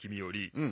うん。